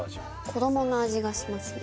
子どもの味がしますね。